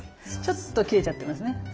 ちょっと切れちゃってますね。